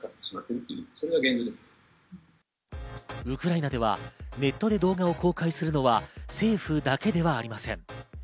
ウクライナではネットで動画を公開するのは政府だけではありません。